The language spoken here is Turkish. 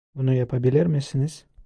Bunu yapabilir misiniz?